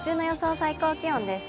最高気温です。